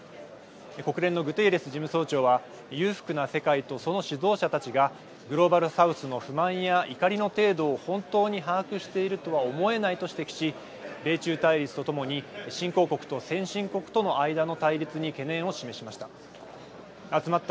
国連のグテーレス事務総長は裕福な世界とその指導者たちがグローバルサウスの不満や怒りの程度を本当に把握しているとは思えないと指摘し米中対立とともに新興国と先進国との間の対立に懸念を示しました。